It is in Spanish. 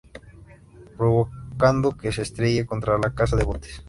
Provocando que se estrelle contra la casa de botes.